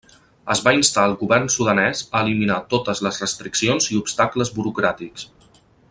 Es va instar al govern sudanès a eliminar totes les restriccions i obstacles burocràtics.